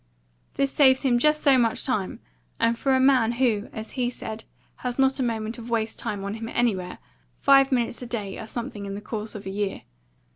This saves him just so much time; and for a man who, as he said, has not a moment of waste time on him anywhere, five minutes a day are something in the course of a year.